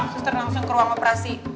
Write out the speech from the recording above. suster langsung ke ruang operasi